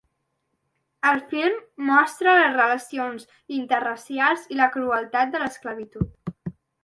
El film mostra les relacions interracials i la crueltat de l’esclavitud.